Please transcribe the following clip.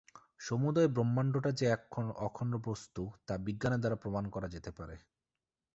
সমুদয় ব্রহ্মাণ্ডটা যে এক অখণ্ড বস্তু, তা বিজ্ঞানের দ্বারা প্রমাণ করা যেতে পারে।